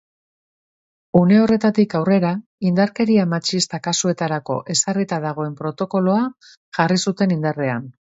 Une horretatik aurrera, indarkeria matxista kasuetarako ezarrita dagoen protokoloa jarri zuten indarrean.